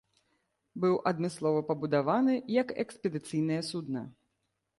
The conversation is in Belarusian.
Быў адмыслова пабудаваны як экспедыцыйнае судна.